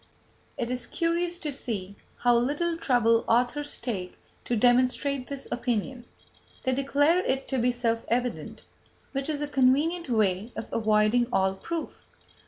It is curious to see how little trouble authors take to demonstrate this opinion; they declare it to be self evident, which is a convenient way of avoiding all proof.